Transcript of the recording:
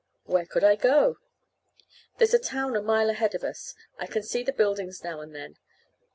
"Where could I go?" "There's a town a mile ahead of us; I can see the buildings now and then.